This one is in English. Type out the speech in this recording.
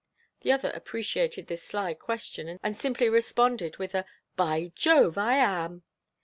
The other appreciated this sly question, and simply responded with a "By Jove, I am!"